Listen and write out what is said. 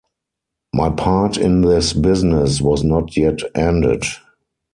My part in this business was not yet ended.